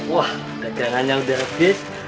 wah dagangannya udah habis